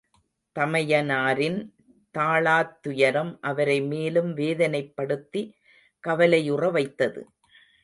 தமையனாரின் தாளாத்துயரம் அவரை மேலும் வேதனைப்படுத்தி கவலையுற வைத்தது.